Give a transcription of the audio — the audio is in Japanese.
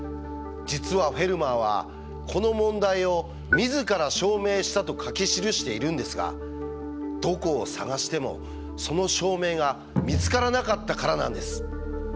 実はフェルマーはこの問題を「自ら証明した」と書き記しているんですがどこを探してもその証明が見つからなかったからなんです。